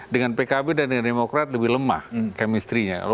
dengan pkb dan dengan demokrat lebih lemah kemistrinya